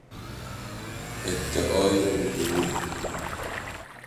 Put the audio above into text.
ادعای او دروغ بود.